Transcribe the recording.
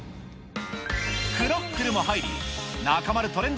クロッフルも入り、中丸トレンド